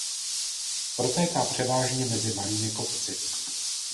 Protéká převážně mezi malými kopci.